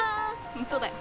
ホントだよ。